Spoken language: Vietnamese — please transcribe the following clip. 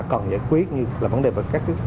cần giải quyết như là vấn đề về các